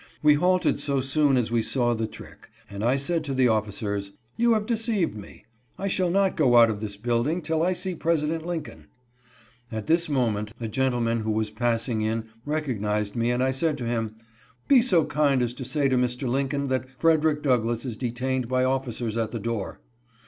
We halted so soon as we saw the trick, and I said to the officers :" You have deceived me. I shall not go out of this building till I see President Lincoln." At this moment a gentleman who was passing in recognized me, and I said to him :" Be so kind as to say to Mr. Lincoln that Frederick Douglass is detained by officers at the door."